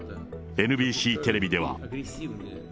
ＮＢＣテレビでは。